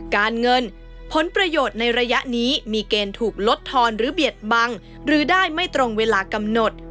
การเงินผลประโยชน์ในระยะนี้มีเกณฑ์ถูกลดทอนหรือเบียดบังหรือได้ไม่ตรงเวลากำหนด